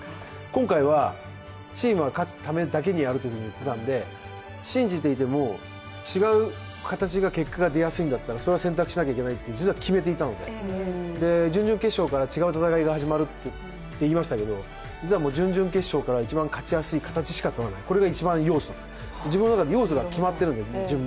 今回はチームが勝つためだけにやるということなんで信じていても、違う形の結果が出やすいんだったらそれは選択しなきゃいけないと決めていたので、準々決勝から違う戦いが始まるって言いましたけど実は準々決勝から一番勝ちやすい形しか取らない、これが一番要素、自分の中で要素が決まっているので。